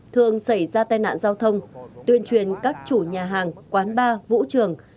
thường xảy ra tai nạn giao thông tuyên truyền các chủ nhà hàng quán bar vũ trường